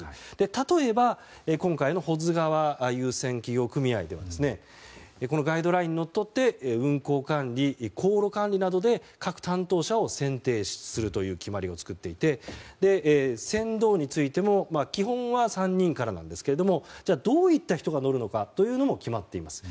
例えば、今回の保津川遊船企業組合ではこのガイドラインにのっとって運航管理、航路管理などで各担当者を選定するという決まりを作っていて船頭についても基本は３人からでどういった人が乗るのかも決まっています。